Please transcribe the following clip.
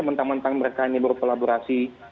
mentang mentang mereka ini berkolaborasi